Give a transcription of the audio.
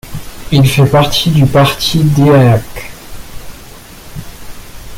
Il fait partie du parti Deák.